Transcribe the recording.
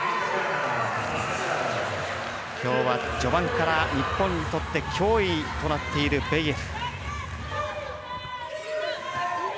きょうは序盤から日本にとって脅威となっているベイエル。